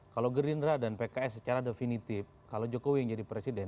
kalau gerindra dan pks secara definitif kalau jokowi yang jadi presiden